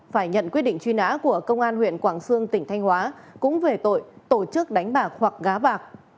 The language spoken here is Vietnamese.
phải nhận quyết định truy nã của công an huyện quảng sương tỉnh thanh hóa cũng về tội tổ chức đánh bạc hoặc gá bạc